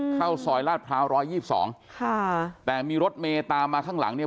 เข้าซอยราชพร้าวรอย๒๒แต่มีรถเมตามาข้างหลังเนี่ย